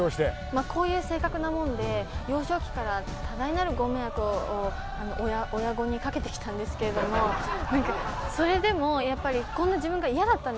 こういう性格なもんで幼少期から多大なるご迷惑を親御に掛けてきたんですけれどもそれでもやっぱりこんな自分が嫌だったんですよ。